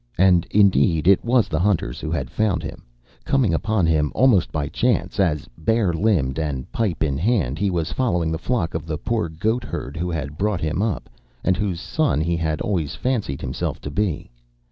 And, indeed, it was the hunters who had found him, coming upon him almost by chance as, bare limbed and pipe in hand, he was following the flock of the poor goatherd who had brought him up, and whose son he had always fancied himself to be.